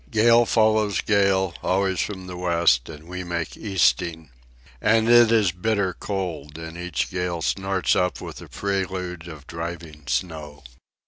Gale follows gale, always from the west, and we make easting. And it is bitter cold, and each gale snorts up with a prelude of driving snow.